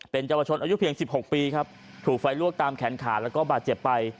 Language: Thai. เป็นเยาวชนอายุเพียง๑๖ปีครับถูกไฟลวกตามแขนขาแล้วก็บาดเจ็บไป